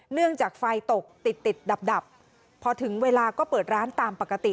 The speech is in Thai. จากไฟตกติดติดดับพอถึงเวลาก็เปิดร้านตามปกติ